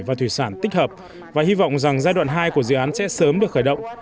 và thủy sản tích hợp và hy vọng rằng giai đoạn hai của dự án sẽ sớm được khởi động